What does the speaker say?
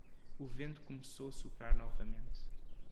O vento começou a soprar novamente.